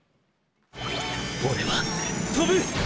俺は飛ぶ！